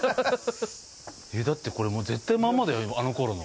だって、これ絶対まんまだよあのころの。